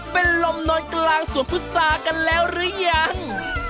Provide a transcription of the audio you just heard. เป็นลมนอนกลางสวนพุษากันแล้วหรือยัง